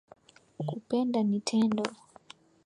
Kupenda ni tendo